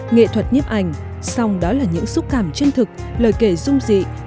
nghệ thuật nhiếp ảnh xong đó là những xúc cảm chân thực lời kể dung dị